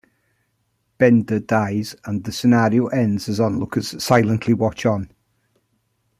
Bender dies, and the scenario ends as onlookers silently watch on.